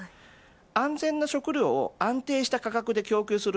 安全な食料を安定した価格で供給する。